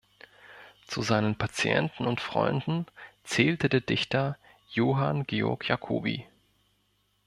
Zu seinen Patienten und Freunden zählte der Dichter Johann Georg Jacobi.